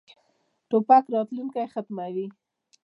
توپک راتلونکی ختموي.